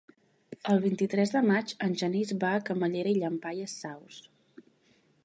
El vint-i-tres de maig en Genís va a Camallera i Llampaies Saus.